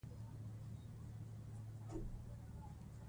اوسنی مالي وضعیت باید تحلیل شي.